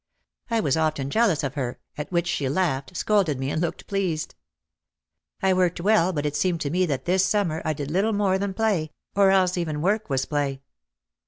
I was often jealous of her, at which she laughed, scolded me and looked pleased. I worked well but it seemed to me that this summer I did little more than play — or else even work was play.